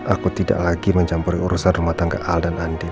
aku tidak lagi mencampuri urusan rumah tangga al dan andi